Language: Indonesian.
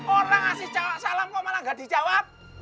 orang asis salam kok malah gak dijawab